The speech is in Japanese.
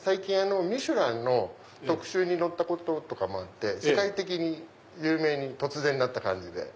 『ミシュラン』の特集に載ったこととかもあって世界的に有名に突然なった感じで。